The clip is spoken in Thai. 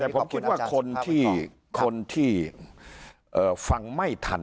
แต่ผมคิดว่าคนที่คนที่ฟังไม่ทัน